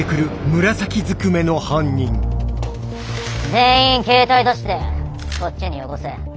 全員携帯出してこっちによこせ。